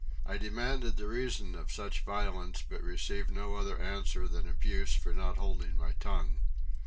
I demanded the reason of such violence but received no other answer than abuse for not holding my tongue.